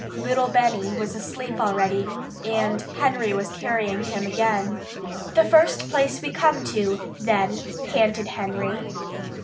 Little Benny was asleep already, and Henry was carrying him again. "The first place we come to, then," panted Henry.